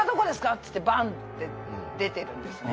っつってバンって出てるんですね